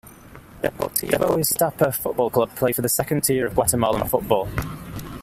Deportivo Iztapa football club play in the second tier of Guatemalan football.